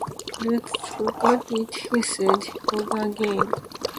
“Let’s look at it,” he said, hiccoughing again.